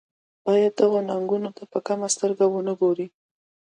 باید دغو ننګونو ته په کمه سترګه ونه ګوري.